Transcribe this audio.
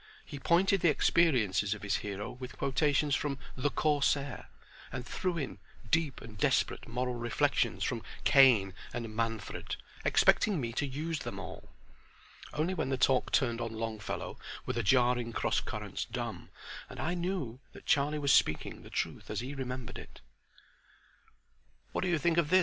He pointed the experiences of his hero with quotations from "The Corsair," and threw in deep and desperate moral reflections from "Cain" and "Manfred," expecting me to use them all. Only when the talk turned on Longfellow were the jarring cross currents dumb, and I knew that Charlie was speaking the truth as he remembered it. "What do you think of this?"